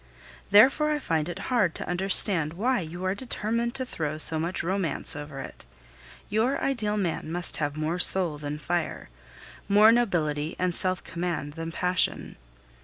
Therefore I find it hard to understand why you are determined to throw so much romance over it. Your ideal man must have more soul than fire, more nobility and self command than passion.